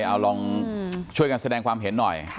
เอาลองช่วยกันแสดงความเห็นหน่อย